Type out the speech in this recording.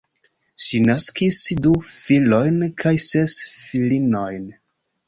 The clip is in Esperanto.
Ŝi naskis du filojn kaj ses filinojn.